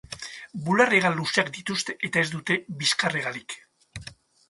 Bular-hegal luzeak dituzte eta ez dute bizkar-hegalik.